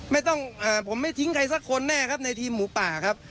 ไม่ต้องผมไม่ทิ้งใครสักคนแน่ครับในทีมหมูป่าครับ